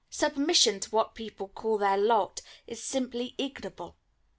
Submission to what people call their "lot" is simply ignoble.